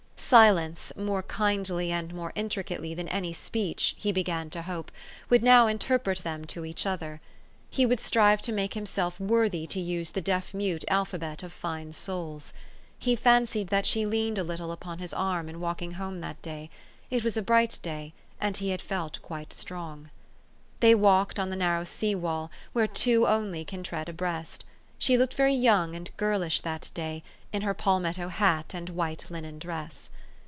Silence, more kindly and more intricately than any speech, he began to hope, would now interpret them 410 THE STORY OF AVIS. to each other. He would strive to make himself wor thy to use the deaf mute alphabet of fine souls. He fancied that she leaned a little upon his arm in walk ing home that day : it was a bright day, and he had felt quite strong. They walked on the narrow sea wall, where two only can tread abreast. She looked very young and girlish that day, in her palmetto hat and white linen dress.